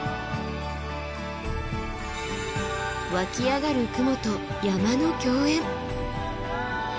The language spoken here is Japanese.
湧き上がる雲と山の饗宴。